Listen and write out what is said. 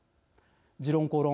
「時論公論」